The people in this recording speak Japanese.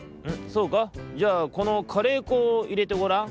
そうかじゃあこのカレーこをいれてごらん」。